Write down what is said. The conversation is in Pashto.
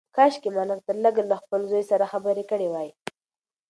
کاشکي ما لږ تر لږه له خپل زوی سره خبرې کړې وای.